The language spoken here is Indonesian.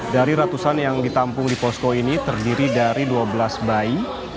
dari ratusan yang ditampung di posko ini terdiri dari dua belas bayi